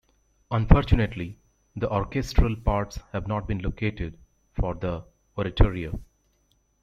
Unfortunately, the orchestral parts have not been located for the oratorio.